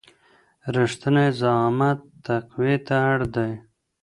رښتينی زعامت تقوی ته اړ دی.